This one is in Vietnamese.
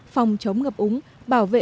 phòng chống ngập úng bảo vệ